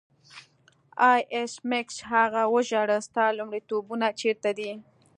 آه ایس میکس هغه وژړل ستا لومړیتوبونه چیرته دي